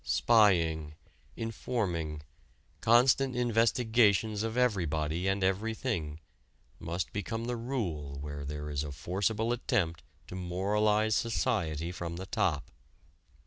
Spying, informing, constant investigations of everybody and everything must become the rule where there is a forcible attempt to moralize society from the top.